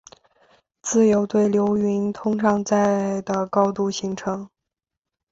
自由对流云通常在的高度形成。